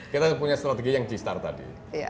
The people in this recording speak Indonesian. kita punya strategi yang g start tadi